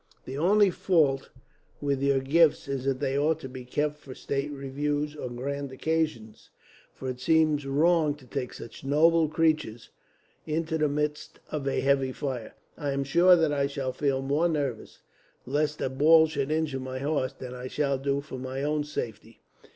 "The only fault with your gifts is that they ought to be kept for state reviews, or grand occasions; for it seems wrong to take such noble creatures into the midst of a heavy fire. I am sure that I shall feel more nervous, lest a ball should injure my horse, than I shall do for my own safety."